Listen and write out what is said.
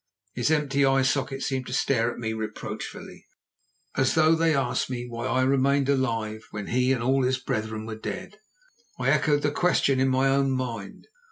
His empty eye sockets seemed to stare at me reproachfully, as though they asked me why I remained alive when he and all his brethren were dead. I echoed the question in my own mind.